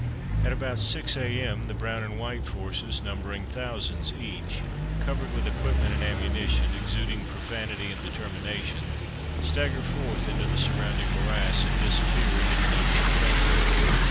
At about 6 A.M. the Brown and White forces, numbering thousands each, covered with equipment and ammunition, exuding 48 From Mud to Mufti profanity and determination, stagger forth into the surrounding morass and disappear into the neighbouring country.